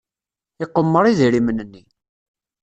Iqemmer idrimen-nni.